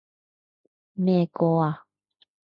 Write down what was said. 咩歌啊？